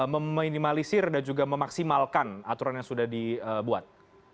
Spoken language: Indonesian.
meminimalisir dan juga memaksimalkan aturan yang sudah dibuat